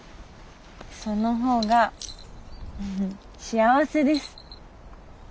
そのほうが幸せです。